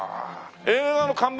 映画の看板